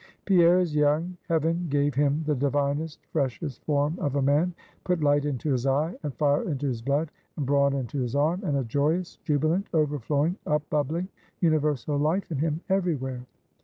Pierre is young; heaven gave him the divinest, freshest form of a man; put light into his eye, and fire into his blood, and brawn into his arm, and a joyous, jubilant, overflowing, upbubbling, universal life in him everywhere.